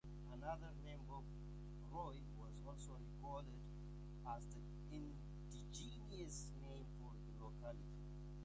Another name, "Bobroi", was also recalled as the indigenous name for the locality.